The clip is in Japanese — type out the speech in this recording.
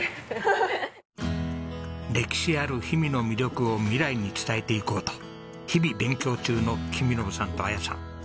歴史ある氷見の魅力を未来に伝えていこうと日々勉強中の公伸さんと彩さん。